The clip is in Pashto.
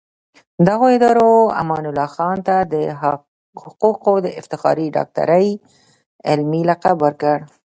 دغو ادارو امان الله خان ته د حقوقو د افتخاري ډاکټرۍ علمي لقب ورکړ.